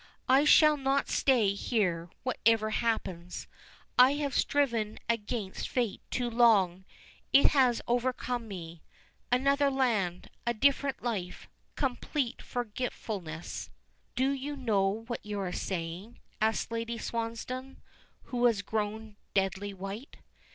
I shall not stay here, whatever happens; I have striven against fate too long it has overcome me. Another land a different life complete forgetfulness " "Do you know what you are saying?" asks Lady Swansdown, who has grown deadly white.